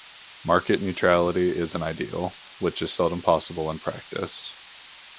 Market neutrality is an ideal, which is seldom possible in practice.